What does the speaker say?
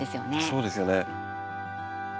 そうですよね。